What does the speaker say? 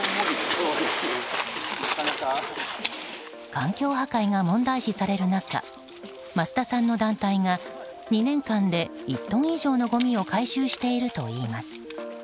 環境破壊が問題視される中益田さんの団体が２年間で１トン以上のごみを回収しているといいます。